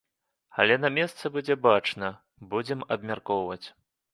Але на месцы будзе бачна, будзем абмяркоўваць.